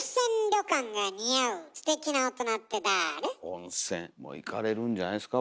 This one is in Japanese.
温泉行かれるんじゃないですか？